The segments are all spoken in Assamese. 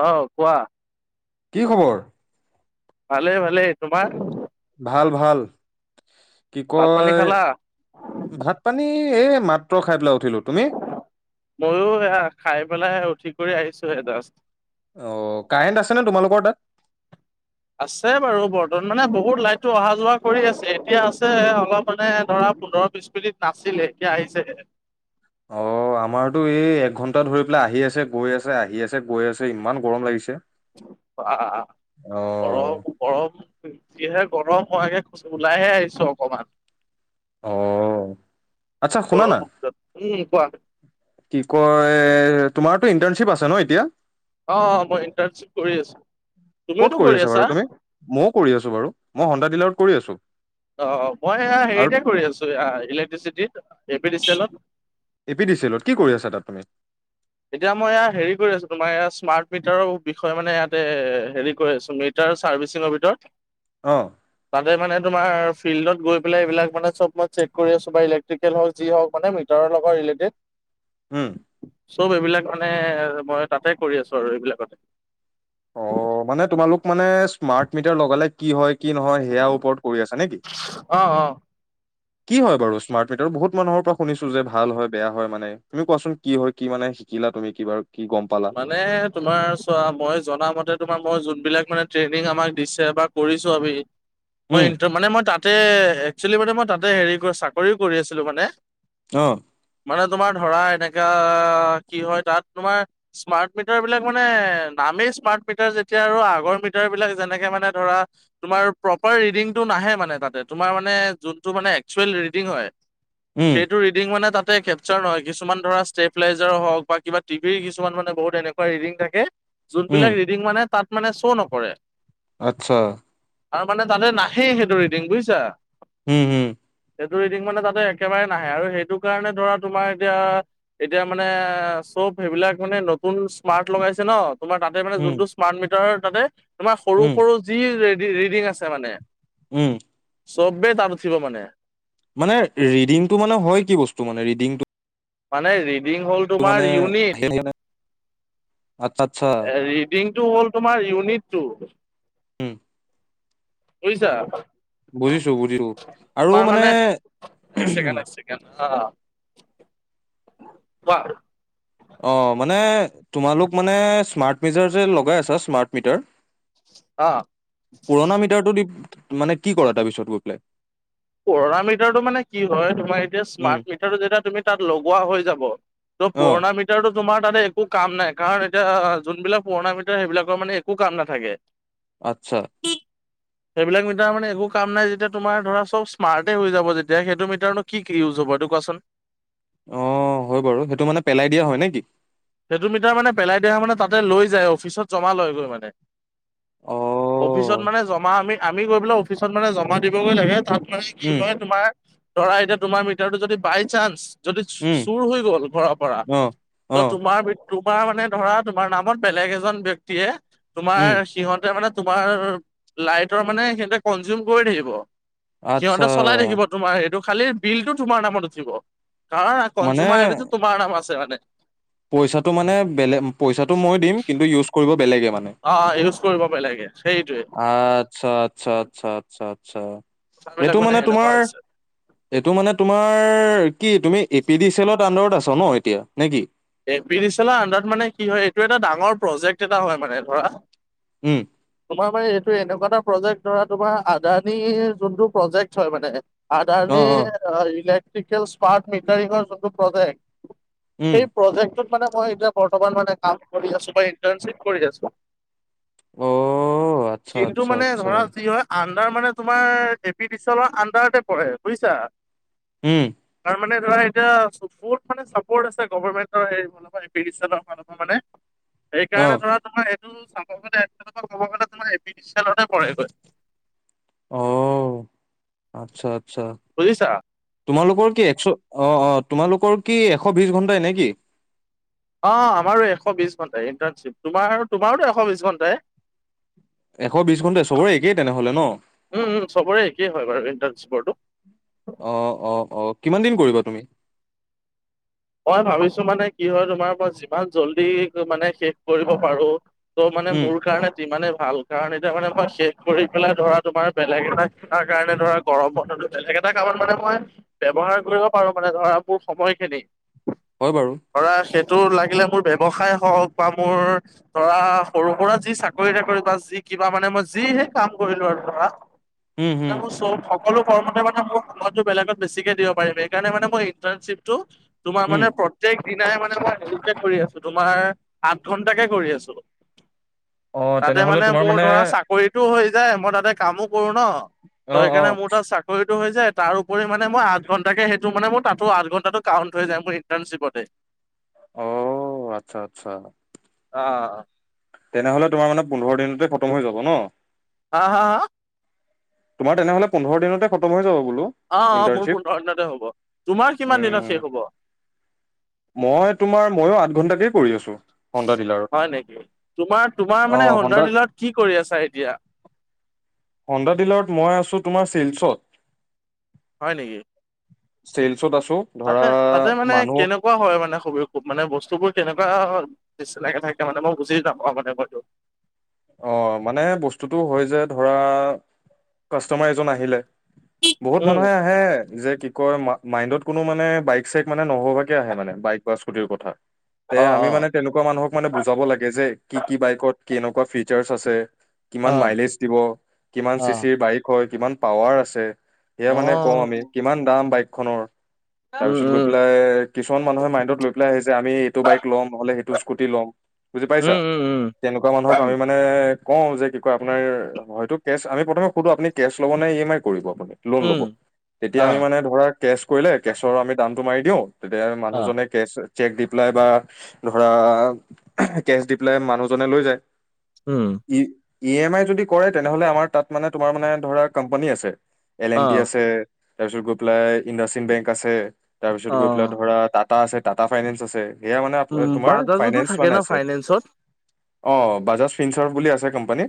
অহ কোৱা। কি খবৰ? ভালে ভালে তোমাৰ। ভাল ভাল। কি ভাত পানী কয় খালা? ভাত পানী এই মাত্ৰ খাই পেলাই, উঠিলো তুমি মইয়ো এয়া খাই পেলাই উঠি কৰি আহিছোহে জাষ্ট। অ, কাৰেণ্ট আছে নে তোমালোকৰ তাত? আছে বাৰু, বৰ্তমান মানে বহুত লাইটটো অহা যোৱা কৰি আছে, এতিয়া আছে অলপ মানে ধৰা- পোন্ধৰ বিশ মিনিট নাছিলে, এতিয়া আহিছেহে। অ। অ আমাৰতো এই এক ঘণ্টা ধৰি পেলাই আহি আছে, গৈ আছে, আহি আছে গৈ আছে ইমান গৰম লাগিছে। অ অ গৰম গৰম - যিহে গৰম হোৱাকে ওলাইহে আহিছো অকমান। অ, আচ্ছা শুনা না, গৰমৰ ভিতৰত উম কোৱা। কি কয় তোমাৰতো ইণ্টাৰ্ণশ্বিপ আছে ন এতিয়া? অ মই ইণ্টাৰ্নশ্বিপ কৰি আছো। ক'ত কৰি আছা বাৰু তুমি ময়ো কৰি আছো বাৰু মই সন্দা ডিলৰত কৰি আছো অ মই আৰু হেৰিতে কৰি আছো ইলেক্ট্ৰিচিটিত এ পি ডিচিএলত এ পি ডি চি এলত কি কৰি আছা তাত তুমি এতিয়া মই এ হেৰি কৰি আছো তোমাৰ ইয় স্মাৰ্ট মিটাৰৰ বিষয়ে মানে ইয়াতে এ হেৰি কৰি আছো মিটাৰ ছাৰ্ভিচিংৰ ভিতৰত অ তাতে মানে। তোমাৰ ফিল্ডত গৈ পেলাই এইবিলাক মানে চব মই চেক কৰি আছো বা ইলেক্ট্ৰিকেল হওক যি হওক মানে মিটৰ লগৰ। [unintelligible] উম চব এইবিলাক মানে মই তাতে কৰি আছো আৰু এইবিলাকতে। অ মানে তোমালোক মানে স্মাৰ্ট মিটাৰ লগালে কি হয় কি নহয় সেয়া ওপৰত কৰি আছা নেকি। অ অ কি হয় বাৰু স্মাৰ্ট মিটাৰ বহুত মানুহৰ পৰা শুনিছো যে ভাল হয় বেয়া হয় মানে তুমি কোৱাচোন কি হয় কি মানে। শিকিলা তুমি কিবা। মানে তোমাৰ চোৱা মই জনা মতে এতিয়া তোমাৰ মই যোবিলখক মানে ট্ৰেনিং আমাক দিছে বা কৰিছো আমি উম, মই মানে মই তাত তাতে একচেলি মানে মই তাতে হে চাকৰি কৰি আছিলো মানে। আহ মানে তোমাৰ ধৰা এনেকা কি হয় তাত তোমাৰ স্মাৰ্ট মিটাৰ বিলাক মানে নামেই স্মাৰ্ট মিটাৰ যেতিয়া আৰু আগৰ মিটাৰ বিলাক যেনেকে মানে ধৰা। তোমাৰ প্ৰপাৰ ডিটো নাহে মানে তাতে তোমাৰ মানে যোনটো মানে একচুৱেল ৰিডিং হয়। উম, সেইটো ৰিডিং মানে তাতে কেপচাৰ নহয় কিছুমান ধৰা ষ্টেপিলাইজাৰ হওক বা কিবা টিভিৰ কি কিছুমান মানে বহুত এনেকুৱা ৰিডিং থাকে উম, যোনবিলাক ৰিডিং মানে তাত মানে শ্ব' নকৰে। আচ্ছা। আৰু মানে তাতে নাহেই সেইটো ৰিডিং বুজিছা। হম হম। সেইটো ৰিডিং মানে তাতে একেবাৰে নাহে আৰু সেইটো কাৰণে ধৰা তোমাৰ এতিয়া এতিয়া মানে। চব সেইবিলাক মানে নতুন স্মাৰ্ট লগাইছে ন তোমাৰ তাতে মানে উম, যোনটো স্মাৰ্ট মিটাৰ তাতে। তোমাৰ সৰু উম, সৰু যি ৰে ৰিডিং আছে মানে। উম। চবে তাৰ থিব মানে মানে ৰিডিংটো মানে হয় কি বস্তু মানে ৰিডিংটো। মানে ৰিডিং ৰিংহ'ল মানে তোমাৰ ইউনিট আচ্ছা, আচ্ছা, ৰিডিং এইটো হ'ল তোমাৰ ইউনিটটো উম বুজিছা বুজিছো, বুজিছো তোমাৰ মানে এক ছেকেণ্ড এক ছেকেণ্ড অহ কোৱা অ মানে তোমালোক মানে স্মাৰ্ট মিটাৰ যে লগাই আছা স্মাৰ্ট মিটাৰ অ পুৰণা মিটাৰটো দি মানে কি কৰা তাৰপিছত গৈ পেলাই। পুৰণা মিটাৰটো মানে কি হয় তোমাৰ এতিয়া উম, স্মাৰ্ট মিটাৰটো যেতিয়া তুমি তাত লগোৱা হৈ যাব। ত অ', পুৰণা মিটাৰ তটো। তোমাৰ তাতে একো কাম নাই কাৰণ এতিয়া যোনবিলাক পুৰণা মিটাৰাৰ সেইবিলাকৰ মানে একো কাম নাথাকে। আচ্ছা। সেইবিলাক মিধাৰ মানে একো কাম নাই যেতিয়া তোমাৰ ধৰা চব স্মাৰ্টেই হৈ যাব যেতিয়া সেইটো মিটাৰনো কি ইউজ হ'ব এইটো কোৱাচোন। অ হয় বাৰু সেইটো মানে পেলাই দিয়া হয় নেকি। সেইটো মিটাৰ মানে পেলাই দহা মানে তাতে লৈ যায় অফিচত জমা লয় গৈ মানে। অফিচত উম, মানে জমা আমি আমি গৈ পেলাই অফিচত মানে জমা দিবগৈ লাগে তাত। মানে কি হয় তোমাৰ ধৰা এতিয়া তোমাৰ মিটাৰটো যদি বাই চান্স। যদি উম, চুৰ হৈ গ'ল ঘৰ পৰা অ', ত। অ', তোমাৰ তোমাৰ মানে ধৰা তোমাৰ নামত বেলেগ এজন ব্যক্তিয়ে উম, তোমাৰ সিহঁতে মানে। তোমাৰ লাইটৰ মানে সেই কনজিউম কৰি থাকিব। আচ্ছা সিহঁতে চলাই থাকিব তোমাৰ সেইটো। খালি বিলটো তোমাৰ নামত উঠিব। কাৰণ মানে কনজুমাৰ আইডিটো তোমাৰ নাম আছে মানে। পইচাটো মানে বেলেগ পইচাটো মই দিম কিন্তু ইউজ কৰিব বেলেগে। মানে। অ অ ইউজ কৰিব বেলেগে সেই। আচ্ছা আচ্ছা আচ্ছা আচ্ছা আচ্ছা কথাবিলাক এইটো মানে সেনেকুৱা তোমাৰ। হৈছে। এইটো মানে তোমাৰ কি তুমি এ পি ডি চ এলত আডাৰত আছ ন এতিয়া নে কি? এ পি ডি চি লৰ আন্দাৰত মানে কি হয় এইটো এটা ডাঙৰ প্ৰজেক্ট এটা হয় মানে ধৰা। উম তোমাৰ মানে এইটো এনেকুৱা এটা প্ৰজেক্ট ধৰা তোমাৰ আদানি যোনটো প্ৰজেক্ট হয় মানে অ', অ', আদানিৰ ইলেক্ট্ৰিকেল স্মাৰ্ট মিটাৰিঙৰ যোনটো প্ৰজেক্ট। উম যোনটোত মানে মই এইবিলাক বৰ্তমান মানে কাম কৰি আছো বা এন্টাৰচিপ কৰি আছো। অ', আচ্ছা, কিন্তু আচ্ছা, মানে আচ্ছা, ধৰা কি হয় আন তাৰ মানে তোমাৰ এ পি বি চি এলৰ আন্ডাৰতে পৰে বুজিছা। উম তাৰ মানে ধৰা এতিয়া বহুত মানে চাপৰ্ট আছে গভাৰ্ণমেণ্ট তো সেই ফালৰ পৰা এই পি ডি চি এলৰ ফালৰ পৰা মানে, সেইকাৰণে অ', ধৰা তোমাৰ মোৰ চাব গ'লে এ পি ডি তেলতে পৰে গৈ অহ আচ্ছা আচ্ছা, বুজিছা। তোমালোকৰ- কি একশ অহ অহ তোমালোকৰ কি এশ বিশ ঘন্টাই নে কি? অহ আমাৰো এশ বিশ ঘণ্টাই ইণ্টাৰ্ণশ্বিপ। তোমাৰ তোমাৰোটো এশ বিশ ঘণ্টাই। এশ বিশ ঘন্টাই চবৰে একেই তেনেহলে ন উম উম চবৰে একেই হয় বাৰু ইণ্টাৰ্ণশ্বিটো অহ অহ অহ, কিমান দিন কৰিবা তুমি? মই ভাবিছো মানে কি হয় তোমাৰ পৰা যিমান জল্দি মানে শেষ কৰিব পাৰো। তো মানে উম মোৰ কাৰণে যিমানে ভাল কাৰণে এতিয়া মানে শেষ কৰি পেলাই ধৰা তোমাৰ বেলেগ এটা কাৰণে ধৰা গৰম বন্ধটো বেলেগ এটা এটা কামত মানে মই ব্যৱহাৰ কৰিব পাৰো মানে মোৰাবোৰ সময় খিনি। হয় বাৰু ধৰা সেই তো লাগিলে মোৰ ব্যৱসায় হওঁক বা মোৰ ধৰা সৰু সুৰা যি চাকৰি তাকৰি বা যি- কিবা মানে মই যিহে কাম কৰিলো আৰু ধৰা, উম মানে হম মোৰ চল সকলো ফৰ্মটতে মানে মোক সময়টো বেলেগত বেছিকে দিব পাৰিম, সেইকাৰনেই মই ইন্টাশ্বিপটো তোমাৰ উম মানে প্ৰত্যেক দিনাই মানে মই সেৰিকে কৰি আছো তোমাৰ আঠ ঘন্টাকে কৰি আছো। অ তাতে তেনেহলে মানে তোমাৰ মোৰ ধৰা চাকৰিতটো হৈ মই তাতে কামো কৰো ন ত অ অ সেইকাৰণে মোৰ তাত চাকৰি। হৈ যায় তাৰোপৰি মানে মই আঠ ঘণ্টাকে সেইটো মানে মই তাতো আঠ ঘণ্টাটো হৈ যায় মোৰ ইণ্টাৰ্নচিপতে অহ আচ্ছা আচ্ছা। অহ তেনেহলে তোমাৰ মানে পোন্ধৰ দিনতে খতম হৈ যাব ন? হা হা হা? তোমাৰ তেনেহলে পোন্ধৰ দিনতে খতম হৈ যাব। বোলো অহ অহ মোৰ ইণ্টাৰ্ণশ্বিপ পোন্ধৰ দিনতে হব। তোমাৰ কিমান দিনত উম শেষ হব? মই তোমাৰ ময়ো আঠ ঘন্টাকে কৰি হোণ্ডা ডিল্লৰ অহ নে হোণ্ডা ডিল্লৰত কি কৰি আছা এতিয়া? হোণ্ডা ডিল্লৰত মই আছো তোমাৰ শ্বিলচত। হয় নেকি? চিল তাতে তাতে মানে কেনেকুৱা হয় মানে খবব মানে বস্তুবোৰ তেনেকুৱা নিচিনাকে থাকে মানে মই বুজি নেপাওঁ মানে মইতো অহ মানে বস্তুটো হয় যে ধৰা কাষ্টমাৰ এজন আহিলে বহুত উম মানুহে আহে যে কি কয় মাইণ্ডত কোনো মানে বাইক চাইক মানে নভাবাকে আহে মানে বাইক বা স্কুটিৰ কথা তে অ আমি অ মানে তেনেকুৱা মানুহক মানে বুজাব লাগে যে কি কি বাইকত কি এনেকুৱা ফি ফ্ৰিৰ্ছ আছে কিমান অ মাইলেজ দিব কিমান অ চি চিৰ বাইক হয় কিমান পাৱাৰ আছে সেয়া অ মানে কওঁ আমি কিমান দাম বাইক খনৰ উম তাৰপিছত গৈ উম পেলাই কিছু মানুহে মাইণ্ডত লৈেলাই আহিছে যেমি এইটো বাইক ল'মহলে সেইটো স্কটি লম বুজি পাইছা উম উম তেনেকুৱা মানুহক আমি এ কও যে কি কয় আপোনাৰ হয় কে আমি প্ৰথমে সধো আপুনি কেছ ল'ব নে ই এম আই কৰিব লোন ল'ব উম উম উম তেতিয়া অ আমি মানে ধৰা কেছ কৰিলে কেছৰ আমি দামটো মাৰি দিওঁ তেতিয়া অ মানুহজনে কেচ চেক দি পেলাই বা ধৰা কেচ দি পেলাই মানুহজনে লৈ যায় উম ই ই এম আই যদি কৰে তেনেহ'লে আমাৰ তাত মানে তোমাৰ মানে ধৰা কোম্পানী আছে এল অ এন টি আছে তাৰপিছত গৈ পেলাই ইণ্ডাচ বেংক আছে তাৰপিছত অ গৈ পেলাই ধৰা তাত টা আছে টাটা ফাইনেন্স আছে সেয়া মানে উম তোমাৰ বাজাজতো ফাইনেজ থাকে ন আছে ফাইনেন্সত অ বাজাজ বুলি আছে কম্পেনী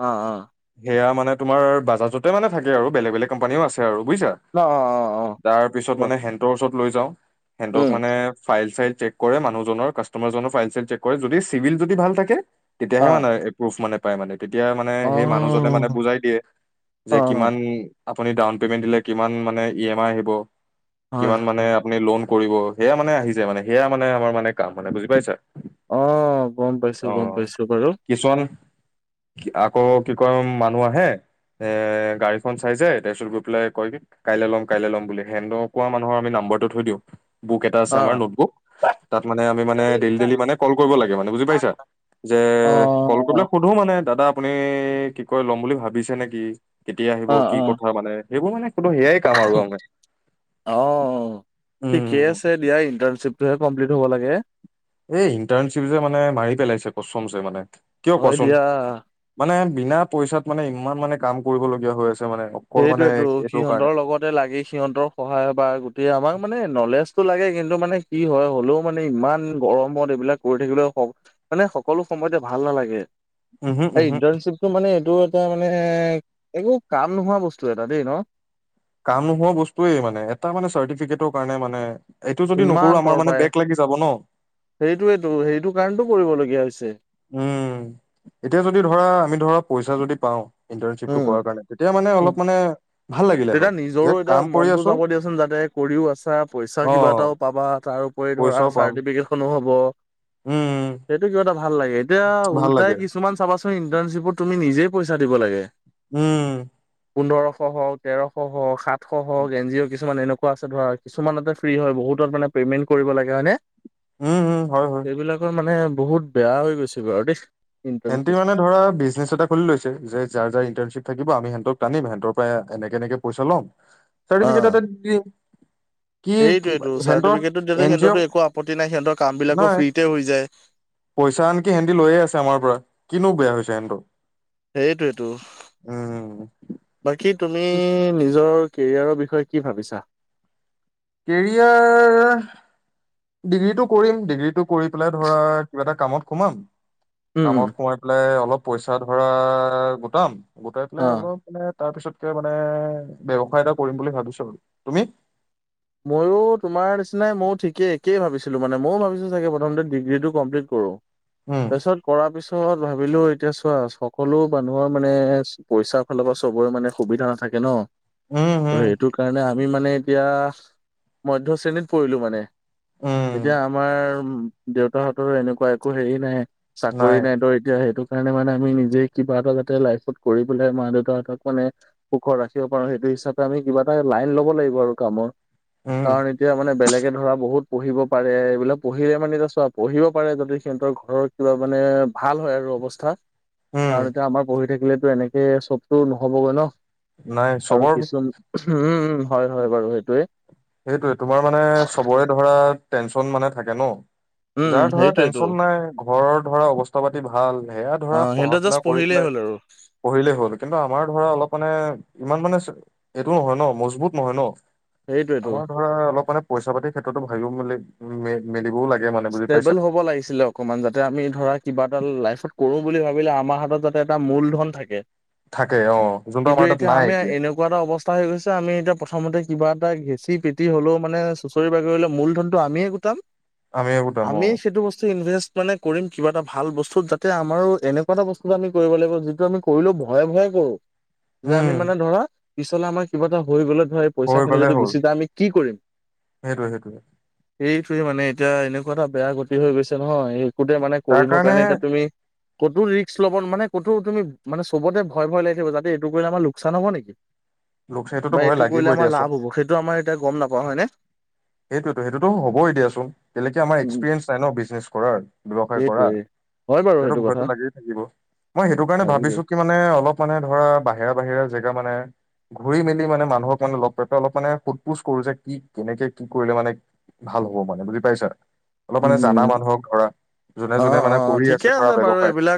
অ অ সেয়া মানে তোমাৰ বাজাজতে মানে থাকে আৰু বেলেগ বেলেগ কম্পানীও আছে আৰু বুজিছা অ অ অ অ তাৰ পিছত কোৱা মানে হেটৰ ওচৰত লৈ যাওঁ সেতক উম মানে ফাইল চাইল ট্ৰেক কৰে মানুহজনৰ কাষ্টমাৰ জনৰ ফাইল চাইল চেক কৰে যদি চিবিল যদি ভাল থাকে তেতিয়াহে অ মানে এপ্ৰোভ মানে পাই মানে তেতিয়া মানে অ সেই মানুহজনে মানে বুজাই দিয়ে যে অ কিমান আপুনি ডাউন পেমেণ্ট দিলে কিমান মানে ই এম আই আহিব হয় কিমান হয় মানে হয় আপুনি লোন কৰিব সেয়া মানে আহি যায় মানে সেয়া মানে আমাৰ মানে কাম মানে বুজি পাইছা অ গম পাইছো অ গম পাইছো বাৰু। কিছুমান আকৌ কি কয় মানুহ আহে এ গাড়ীখন চাই যাই তাৰ পিছত গৈ পেলাই কয় কি কাইলৈ ল'ম কাইলৈ ল'ম বুলি সেনেকা মানুহৰ আমি নাম মইটো থৈ দিওঁ বুক এটা আছে অ আমাৰ নতবুক তাত মানে আমি মানে ডেইলি ডলি মানে কল কৰিব লাগে মানে বুজি পাইছা যে অ কল কৰি অ পেলাই সোধো মানে দাদা আপুনি কি কয় লম বুলি ভাবিছে নেকি? কেতিয়া আহিব অ', কি অ', কথা মানে সেইবোৰ মানে কোনো সেয়াই কাম আৰু আমাৰ অ ঠিকেই উম আছে দিয়া ইণ্টাৰ্ণশ্বিপ টোৱে কমপ্লিট হ'ব লাগে এই ইণ্টাৰণশ্বিপ যে মানে মাৰি পেলাইছে কচমছে মানে কিয় হয় কোৱাচোন দিয়া মানে বিনা পইচাত মানে ইমান মানে কাম কৰিবলগীয়া হৈ আছে মানে অকল মানে সেইটোয়েতো এইটোৰ কাৰণে সিহঁতৰ লগতে লাগে সিহঁতৰ সহায় বা গোটেই আমাক মানে নলেজতটো লাগে কিন্তু মানে কি হয় হলেও মানে ইমান গৰমত এইবিলাক কৰি থাকিলে মানে সকলো সময়তে ভাল ভাল নেলাগে উমহু, উমহু, ইন্তৰ্ণচিপ টো মানে এইটো এটা মানে একো কাম নোহোৱা বস্তু এটা দেই ন কাম নোহোৱা বস্তুয়েই মানে এটা মানে চাৰ্টিফিকেটৰ কাৰণে মানে এইটো যদি নকৰো ইমান আমাৰ তৰ মানে পাই বেক লাগি যাব ন। সেইটোোৱো সেইটো কাৰণটো কৰিবলগীয়া হৈছে উম এতিয়া যদি ধৰা আমি ধৰা পইচা যদি পাওঁ ইণ্টাৰ্ণশ্বিপটো কৰাৰ কাৰণে মানে উ অলপ মানে ভাল লাগিলে তেতিয়া হয় যে নিজৰো কাম এতিয়া কৰি মনতো আছো যাব দিয়াচোন যাতে কৰিও আছা পইচা কিবা অ', এটাও পাবা তাৰ উপৰি ধৰা পইচাও পাম চাৰ্টিফিকেনো হ'ব উম, সেইটো কিবা এটা ভাল লাগে এতিয়া ভাল লাগে ওলটাই কিছুমান চাবাচোন তুমি নিজে পইচা দিব লাগে উম পোন্ধৰশ হওক তেৰশ হওক সাতশ হওক এন জি অ' কিছুমান এনেকুৱা আছে ধৰা কিছুমান এতে ফ্ৰী হয় বহুত সোতত মানে পেমেন্ট কৰিব লাগে হয় নে উম, উম, হয়, হয়। এইবিলাকৰ মানে বহুত বেয়া হৈ গৈছে বাৰু দেই সিহ ইণ্টাৰ্ণশ্বিপ মানে ধৰা বিজনেছ এটা খুলি লৈছে যে যাৰ যাৰ ইণ্টাৰ্নশ্বিপ থাকিব সিহতক টানিম সিহঁতৰ পৰাই এনেকে এনেকে পইচা ল'ম চাৰ্টিফিকেট এ দি দিম কি কি সেইটোৱটো সেহতৰ চাৰ্টিফিকেটতো এন জি অ' সিহঁতৰতো একো আপত্তি নাই সিহঁতৰ কাম বিলাকো নহয় ফ্ৰীতে হৈ যায় পইচা আনকি সিহঁতি লৈয়ে আছে আমাৰ পৰা কিনো বেয়া হৈছে সিহঁতক সেইটোয়েটো বাকী তুমি নিজৰ কেৰিয়াৰৰ বিষয়ে কি ভাবিছা কেৰিয়াৰ ডিগ্ৰীটো কৰিম ডিগ্ৰীটো কৰি পেলাই ধৰা কিবা এটা কামত সোমাম উম উম কামত সোমাই পেলাই অলপ পইচা ধৰা গোটাম গোটাই পেলাই অহ। অলপ মানে তাৰ পিছতকে মানে ব্যৱসায় এটা কৰিম বুলি ভাবিছো আৰু তুমি ময়ো তোমাৰ নিচিনাই ময়ো ঠিকেই একেই ভাবিছিলোঁ মানে ময়ো ভাবিছো চাগে প্ৰথমতে ডিগ্ৰীটো কমপ্লিট কৰো উম তাছত কৰাৰ পিছত ৰত ভাবিলো এতিয়া চোৱা সকলো মানুহৰ মানে পইচাৰ ফালৰ পৰা চবৰে মানে সুবিধা নাথাকে ন উম ত হম সেইটো কাৰণে আমি মানে এতিয়া মধ্য শ্ৰেণীত পৰিলো মানে উম এতিয়া আমাৰ দেউতাহঁতৰ এনেকোৱা একো হেৰি নাই চাকৰি নাই তো এতিয়া সেইটো কাৰণে মানে আমি নিজে কিবা এটা যাতে লাইফত কৰি পেলাই মা দেউতাহতক মানে সুখত ৰাখিব পাৰো সেইটো হিচাপে আমি কিবা এটা লাইন ল'ব লাগিব আৰু কামৰ উম কাৰণ এতিয়া মানে বেলেগে ধৰা বহুত পঢ়িব পাৰে এইবিলাক পঢ়িলে মানে এতিয়া চোৱা পঢ়িব পাৰে যদি সিহঁতৰ ঘৰৰ কিবা মানে ভাল হয় আৰু অৱস্থা উম কাৰণ এতিয়া আমাৰ পঢ়ি থাকিলেতো এনেকে চবতো নহ'বগৈ ন নাই আৰু চবৰ কিছু উম হয় হয় বাৰু সেইটোৱে সেইটোৱে তোমাৰ মানে চবৰে ধৰা টেনচন মানে থাকে ন উম যাৰ ধৰা সেইটোৱেতো টেনচন নাই ঘৰৰ ধৰা অৱস্থা পাতি ভাল সেয়া অ ধৰা পঢ়া সিহঁতে শুনা জাষ্ট কৰি পঢ়িলেই পেলাই হ'ল আৰু পঢ়িলেই হ'ল কিন্তু আমাৰ ধৰা অলপ মানে ইমান মানে এইটো নহয় ন মজবুত নহয় ন সেইটোৱেতো আমাৰ ধৰা অলপ মানে পইচা পাতিৰ ক্ষেত্ৰতো ভাবিও মি মেলিবও লাগে মানে বুজি ষ্টেবল পাইছা হ'ব লাগিছিলে অকনমান যাতে আমি ধৰা কিবা এটা লাইফত কৰো বুলি ভাবিলে আমাৰ হাতত যাতে এটা মূল ধন থাকে থাকে অ যোনটো কিন্তু আমাৰ তাত এতিয়া আমি নাই এনেকোৱা এটা অৱস্থা হৈ গৈছে আমি এতিয়া প্ৰথমতে কিবা এটা ঘেঁচি তিটি হলেও মানে চুচৰি বাগৰিলে মূলধনটো আমিয়ে গোটাম আমি এইবোৰ দাম অ আমিয়েই সেইটো বস্তু ইনভেষ্ট মানে কৰিম কিবা এটা ভাল বস্তু যাতে আমাৰো এনেকুৱা এটা বস্তু আমি কৰিব লাগিব যিটো আমি কৰিলেও ভয়ে ভয়ে কৰো‌। যে আমি উম মানে ধৰা পিছলে আমাৰ কিবা এটা হৈ গ'লে ধৰা এই পইচা খিনি যদি গুচি যায় আমি কি কৰিম সেইটোৱেই সেইটোৱেই, সেইটোৱে মানে এতিয়া এনেকুৱা এটা বেয়া গতি হৈ গৈছে নহয় সেই কোতে মানে কৰিবৰ কাৰণে এতিয়া তুমি, ক'তো ৰিস্ক ল'ব মানে ক'তো তুমি চবতে ভয় ভয় লাগি থিব যাতে এইটো কৰিলে আমাৰ লোকচান হ'ব নেকি লোক সেইটোতো বা ভয় এইটো কৰিলে লাগিবই আমাৰ দিয়াচোন লাভ হ'ব সেইটো আমাৰ এতিয়া গম নাপাওঁ হয়নে সেইটোয়তো সেইটোতো হবই দিয়াচোন এতিয়ালৈকে আমাৰ উম। এক্সপিৰিয়েন্ঞ্চ নাই ন বিজনেছ কৰাৰ ব্যয়ৱসায় কৰা সেইটোৱে হয় বাৰু সেটো সেইটো কথা ভয়তো লাগিয়ে থাকিব মই সেইটো কাৰণে লাগিব ভাবিছো কি মানে অলপ মানে ধৰা বাহিৰা বাহিৰে জেগা মানে ঘূৰি মেলি মানে মানুহক মানে লগ পাই অলপ মানে সোধ পোছ কৰো যে কি কেনেকে কি কৰিলে মানে ভাল হ'ব মানে বুজি পাইছা অলপ মানে জানা উম মানুহক ধৰা যোনে অ', যোনে মানে অ', কৰি আছে ঠিকে ধৰা বাৰু ব্যৱসায় এইবিলাক